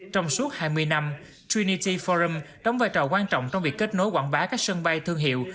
trong suốt hai mươi năm trinity forum đóng vai trò quan trọng trong việc kết nối quảng bá các sân bay thương hiệu